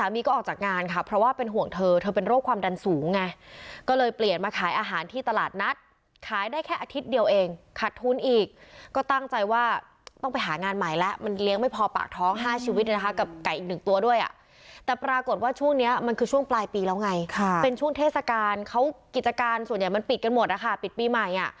มีก็ออกจากงานค่ะเพราะว่าเป็นห่วงเธอเธอเป็นโรคความดันสูงไงก็เลยเปลี่ยนมาขายอาหารที่ตลาดนัดขายได้แค่อาทิตย์เดียวเองขัดทุนอีกก็ตั้งใจว่าต้องไปหางานใหม่แล้วมันเลี้ยงไม่พอปากท้อง๕ชีวิตนะคะกับไก่อีกหนึ่งตัวด้วยแต่ปรากฏว่าช่วงนี้มันคือช่วงปลายปีแล้วไงเป็นช่วงเทศกาลเขากิจการส่วนใหญ่มันปิดกันหมดนะคะปิดปีใหม่อ่ะ